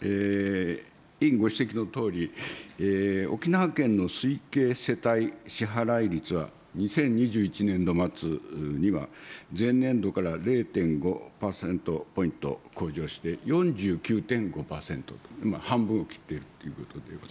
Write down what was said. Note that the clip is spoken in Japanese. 委員ご指摘のとおり、沖縄県の推計世帯支払率は２０２１年度末には、前年度から０．５％ポイント向上して、４９．５％、半分を切っているということでございます。